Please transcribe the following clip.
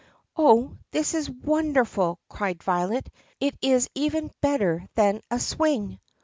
"Oh, this is wonderful!" cried Violet. "It is even better than a swing."